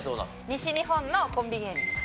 西日本のコンビ芸人さん。